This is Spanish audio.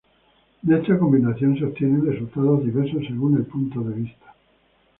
De esta combinación, se obtienen resultados diversos según el punto de vista.